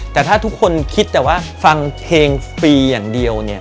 แต่ถ้าทุกคนคิดแต่ว่าฟังเพลงฟรีอย่างเดียวเนี่ย